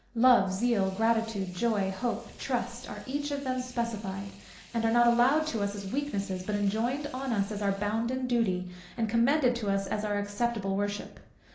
Love, Zeal, Gratitude, Joy, Hope, Trust, are each of them specified; and are not allowed to us as weaknesses, but enjoined on us as our bounden duty, and commended to us as our acceptable worship.